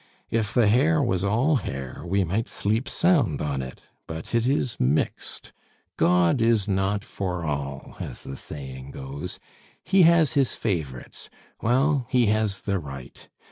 If the hair was all hair, we might sleep sound on it; but it is mixed. God is not for all, as the saying goes. He has His favorites well, He has the right.